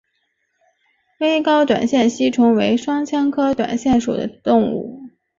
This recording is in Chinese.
微睾短腺吸虫为双腔科短腺属的动物。